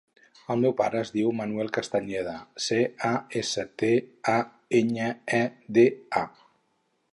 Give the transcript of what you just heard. El meu pare es diu Manuel Castañeda: ce, a, essa, te, a, enya, e, de, a.